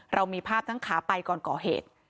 เรามีภาพทั้งขาไปก่อนก่อเหตุ